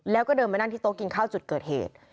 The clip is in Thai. แล้วก็เดินไปนั่งที่โต๊ะกินข้าวจุดเกิดเหตุ